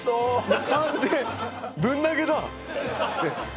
もう完全ぶん投げだ！